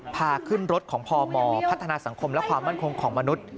พาขึ้นรถของพมพัฒนาสังคมและความมั่นคงของมนุษย์